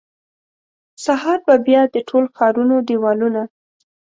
سهار به بیا د ټول ښارونو دیوالونه،